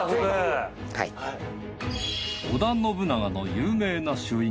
織田信長の有名な朱印